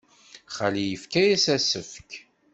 Xali yefka-as asefk.